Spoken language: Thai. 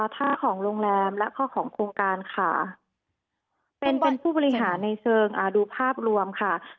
ท่าของโรงแรมแล้วก็ของโครงการค่ะเป็นผู้บริหารในเชิงดูภาพรวมค่ะ